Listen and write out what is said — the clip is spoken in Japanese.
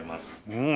うん！